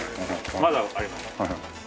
まだあります。